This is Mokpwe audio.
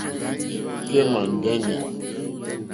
Kémà ndɛ́nɛ̀.